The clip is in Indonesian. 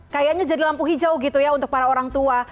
kayaknya jadi lampu hijau gitu ya untuk para orang tua